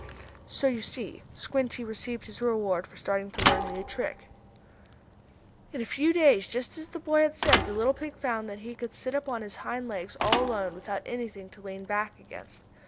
So you see Squinty received his reward for starting to learn a new trick. In a few days, just as the boy had said, the little pig found that he could sit up on his hind legs all alone, without anything to lean back against.